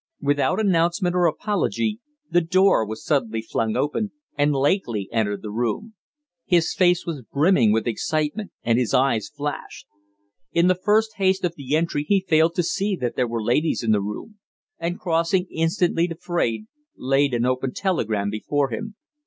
Without announcement or apology, the door was suddenly flung open and Lakely entered the room. His face was brimming with excitement, and his eyes flashed. In the first haste of the entry he failed to see that there were ladies in the room, And, crossing instantly to Fraide, laid an open telegram before him.